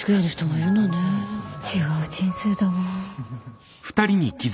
違う人生だわ。